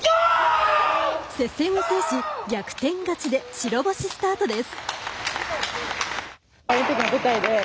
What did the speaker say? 接戦を制し、逆転勝ちで白星スタートです。